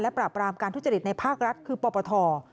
และปรากลาปรามการทุรจริตในภาครัฐคือปธ